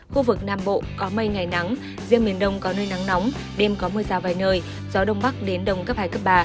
khu vực nam bộ có mây ngày nắng riêng miền đông có nơi nắng nóng đêm có mưa rào vài nơi gió đông bắc đến đông cấp hai cấp ba